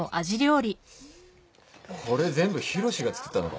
これ全部浩志が作ったのか？